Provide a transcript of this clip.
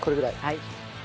はい。